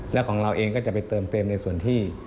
และของเราเองก็จะไปเติมเต็มในส่วนที่